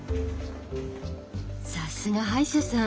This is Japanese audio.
さすが歯医者さん